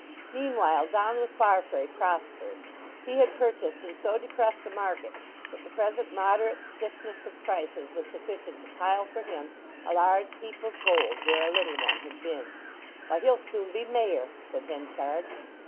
Meanwhile Donald Farfrae prospered. He had purchased in so depressed a market that the present moderate stiffness of prices was sufficient to pile for him a large heap of gold where a little one had been. "Why, he'll soon be Mayor!" said Henchard.